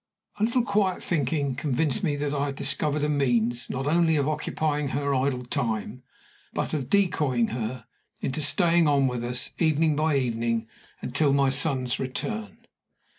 A little quiet thinking convinced me that I had discovered a means not only of occupying her idle time, but of decoying her into staying on with us, evening by evening, until my son's return.